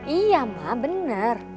iya ma bener